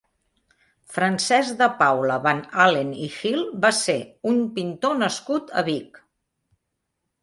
Francesc de Paula Van Halen i Gil va ser un pintor nascut a Vic.